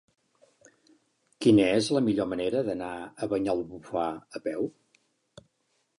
Quina és la millor manera d'anar a Banyalbufar a peu?